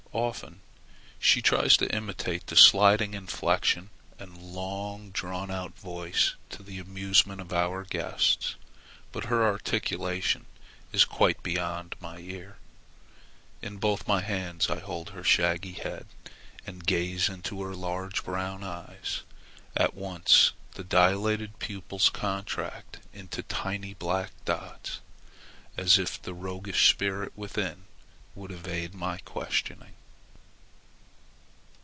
Often she tries to imitate the sliding inflection and long drawn out voice to the amusement of our guests, but her articulation is quite beyond my ear. In both my hands I hold her shaggy head and gaze into her large brown eyes. At once the dilated pupils contract into tiny black dots, as if the roguish spirit within would evade my questioning.